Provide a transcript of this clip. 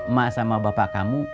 emak sama bapak kamu